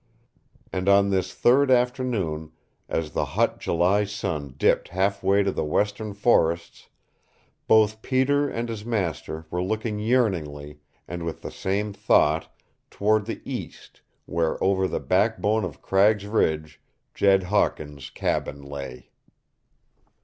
And on this third afternoon, as the hot July sun dipped half way to the western forests, both Peter and his master were looking yearningly, and with the same thought, toward the east, where over the back bone of Cragg's Ridge Jed Hawkins' cabin lay.